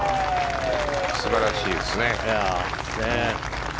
素晴らしいですね。